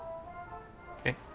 えっ？